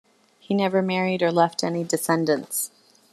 He never married or left any descendants.